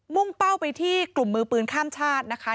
่งเป้าไปที่กลุ่มมือปืนข้ามชาตินะคะ